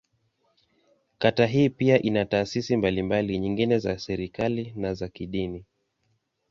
Kata hii pia ina taasisi mbalimbali nyingine za serikali, na za kidini.